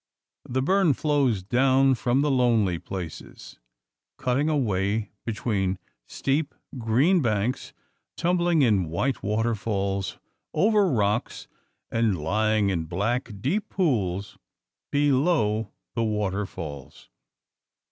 The burn flows down from the lonely places, cutting a way between steep, green banks, tumbling in white waterfalls over rocks, and lying in black, deep pools below the waterfalls.